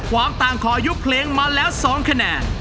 ลองต่างคอยุพเฉยงมาแล้ว๒คะแนน